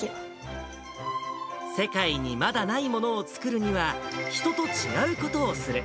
世界にまだないものを作るには、人と違うことをする。